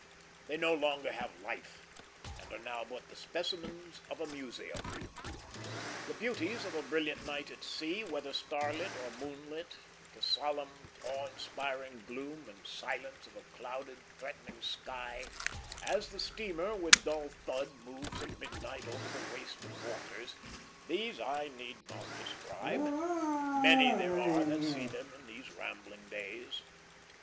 They no longer have life, and are now but the specimens of the museum. The beauties of a brilliant night at sea, whether starlit or moonlit, the solemn, awe inspiring gloom and silence of a clouded, threatening sky, as the steamer with dull thud moves at midnight over the waste of waters, these I need not describe; many there are that see them in these rambling days.